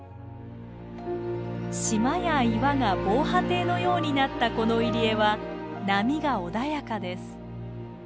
島や岩が防波堤のようになったこの入り江は波が穏やかです。